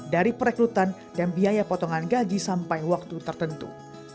dari perekrutan dan biaya potongan gaji sampai waktu tertentu